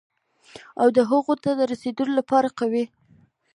او د هغو ته د رسېدو لپاره قوي،